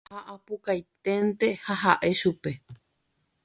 ha apukaiténte ha ha'e chupe